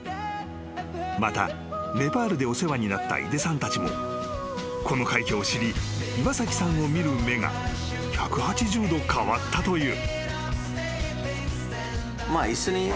［またネパールでお世話になった井出さんたちもこの快挙を知り岩崎さんを見る目が１８０度変わったという］